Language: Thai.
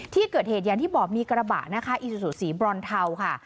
ที่เกิดเหตุยานที่บอกมีกระบะอีสุสีบรอนเทาค่ะ